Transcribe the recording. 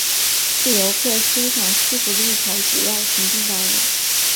是游客欣赏西湖的一条主要行进道路。